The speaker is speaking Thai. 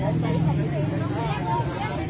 อันดับอันดับอันดับ